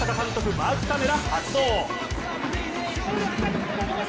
マークカメラ発動。